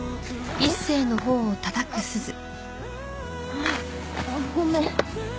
あっごめん。